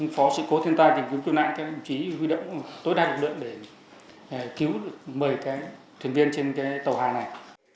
phó sự cố thiên tai tìm kiếm cư nạn các đồng chí huy động tối đa lực lượng để cứu mời thuyền viên trên tàu hà này